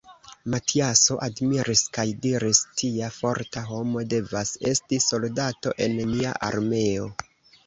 Matiaso admiris kaj diris: Tia forta homo devas esti soldato en mia armeo.